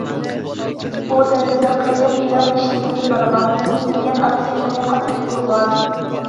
ئۇ دەرستىن قېچىپ ئېلان ئىشلىگىلى بارغان، بۇنى بىلگەن ئاپىسى ئۇنى قاتتىق ئۇرغان.